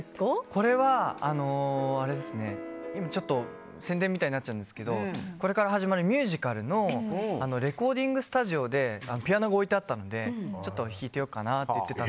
これは宣伝みたくなっちゃうんですけどこれから始まるミュージカルのレコーディングスタジオでピアノが置いてあったのでちょっと弾いてようかなって。